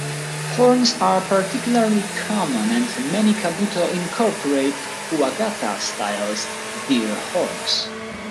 Horns are particularly common, and many kabuto incorporate "kuwagata", stylized deer horns.